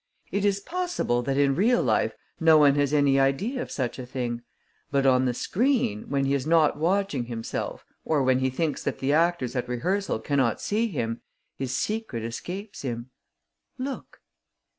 It is possible that, in real life, no one has any idea of such a thing; but, on the screen, when he is not watching himself, or when he thinks that the actors at rehearsal cannot see him, his secret escapes him. Look...."